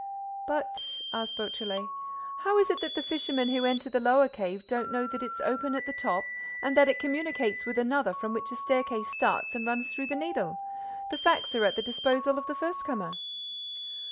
"But," asked Beautrelet, "how is it that the fishermen who enter the lower cave don't know that it's open at the top and that it communicates with another from which a staircase starts and runs through the Needle? The facts are at the disposal of the first comer."